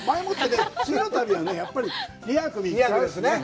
次の旅は２泊３日ですね。